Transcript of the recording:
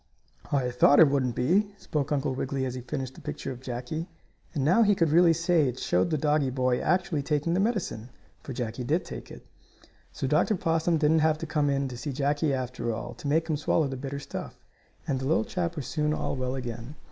"I thought it wouldn't be," spoke Uncle Wiggily, as he finished the picture of Jackie, and now he could really say it showed the doggie boy actually taking the medicine, for Jackie did take it. So Dr. Possum didn't have to come in to see Jackie after all to make him swallow the bitter stuff, and the little chap was soon all well again.